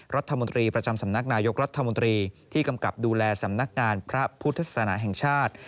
รัฐมนตรีประจำสำนักนายกรัฐมนตรีที่กำกับดูแลสำนักงานพระพุทธศาสนาแห่งชาติ